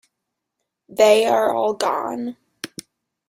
They are all gone.